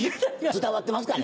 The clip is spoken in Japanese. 伝わってます。